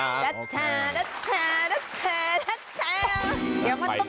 ดัดชาดัดชาดัดชาดัดชา